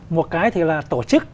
một cái thì là tổ chức